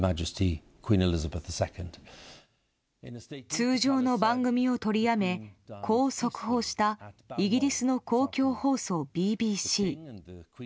通常の番組を取りやめこう速報したイギリスの公共放送ＢＢＣ。